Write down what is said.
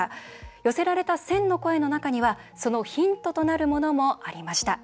寄せられた１０００の声の中にはそのヒントとなるものもありました。